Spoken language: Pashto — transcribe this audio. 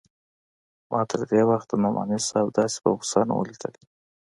ما تر دې وخته نعماني صاحب داسې په غوسه نه و ليدلى.